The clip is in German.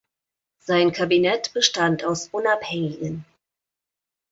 Sein Kabinett bestand aus Unabhängigen.